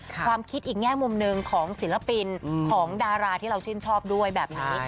ความคิดอีกแง่มุมหนึ่งของศิลปินของดาราที่เราชื่นชอบด้วยแบบนี้